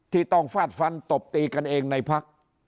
ที่ต้องฟาดฟันตบตีกันเองในพัก